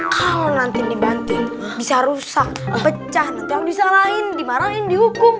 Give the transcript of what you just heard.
kalau nanti dibanting bisa rusak pecah nanti yang disalahin dimarahin dihukum